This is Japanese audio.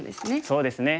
そうですね。